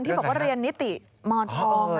ที่บอกว่าเรียนนิติมทอง